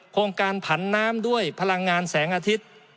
โครงการผันน้ำด้วยพลังงานแสงอาทิตย์